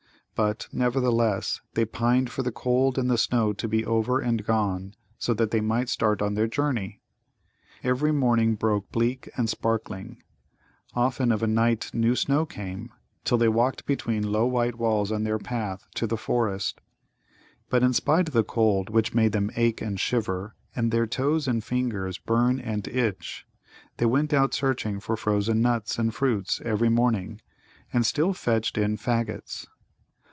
But, nevertheless, they pined for the cold and the snow to be over and gone, so that they might start on their journey! Every morning broke bleak and sparkling. Often of a night new snow came, till they walked between low white walls on their little path to the forest. But in spite of the cold which made them ache and shiver, and their toes and fingers burn and itch, they went out searching for frozen nuts and fruits every morning, and still fetched in faggots.